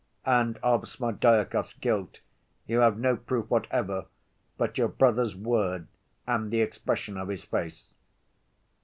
"And of Smerdyakov's guilt you have no proof whatever but your brother's word and the expression of his face?"